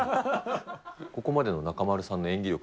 ここまでの中丸さんの演技力